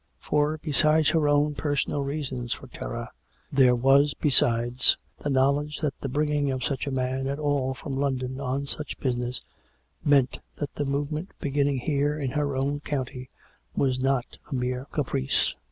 For, besides her own personal reasons for terror, there was, besides, the knowledge that the bringing of such a man at all from London on such business meant that the movement beginning here in her own county was not a mere caprice.